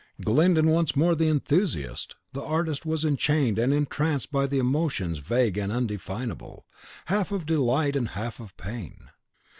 Glyndon once more the enthusiast, the artist was enchained and entranced by emotions vague and undefinable, half of delight and half of pain.